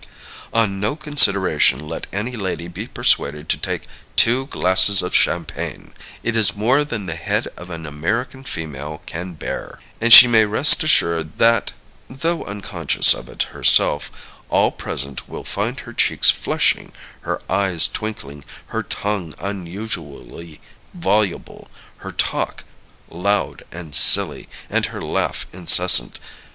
On no consideration let any lady be persuaded to take two glasses of champagne. It is more than the head of an American female can bear. And she may rest assured that (though unconscious of it herself) all present will find her cheeks flushing, her eyes twinkling, her tongue unusually voluble, her talk loud and silly, and her laugh incessant.